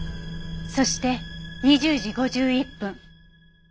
そして２０時５１分。